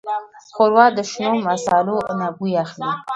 ښوروا د شنو مصالو نه بوی اخلي.